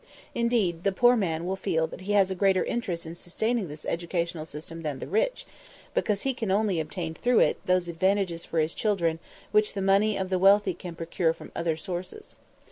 Indeed, the poor man will feel that he has a greater interest in sustaining this educational system than the rich, because he can only obtain through it those advantages for his children which the money of the wealthy can procure from other sources.